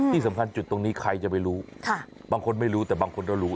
ที่สำคัญจุดตรงนี้ใครจะไปรู้บางคนไม่รู้แต่บางคนก็รู้